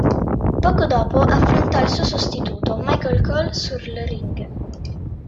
Poco dopo, affrontò il suo sostituto, Michael Cole, sul ring.